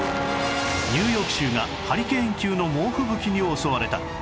ニューヨーク州がハリケーン級の猛吹雪に襲われた